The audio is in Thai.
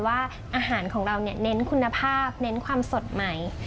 ว่าอาหารของเราเน้นคุณภาพเน้นความสดใหม่